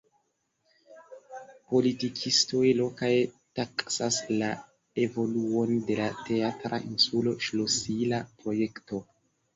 Politikistoj lokaj taksas la evoluon de la Teatra insulo ŝlosila projekto.